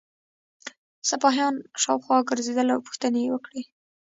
سپاهیان شاوخوا ګرځېدل او پوښتنې یې وکړې.